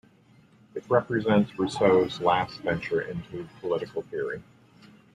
It represents Rousseau's last venture into political theory.